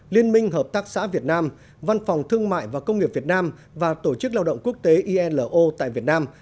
liên minh hợp tác xã việt nam văn phòng thương mại và công nghiệp việt nam và tổ chức lao động quốc tế ilo tại việt nam